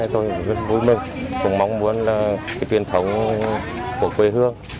tôi rất vui mừng cũng mong muốn là truyền thống của quê hương